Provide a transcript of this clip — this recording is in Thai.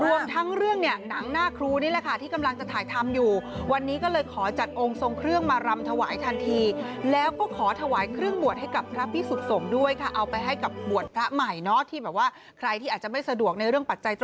รวมทั้งเรื่องเนี่ยหนังหน้าครูนี่แหละค่ะที่กำลังจะถ่ายทำอยู่